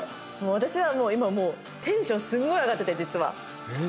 私は今もうテンションすごい上がってて実は。